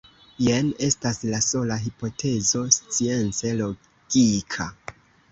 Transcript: Jen estas la sola hipotezo science logika.